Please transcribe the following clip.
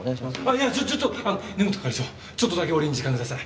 いやちょちょっと根本係長ちょっとだけ俺に時間ください。